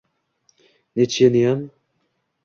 Nitsheniyam